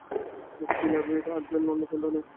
মুক্তিলাভের আর অন্য পন্থা নাই।